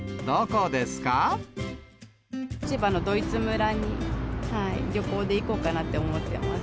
千葉のドイツ村に、旅行で行こうかなって思ってます。